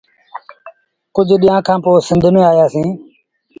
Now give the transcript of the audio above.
ڪجھ ڏيٚݩهآݩ کآݩ پو سنڌ ميݩآيآ سيٚݩ ۔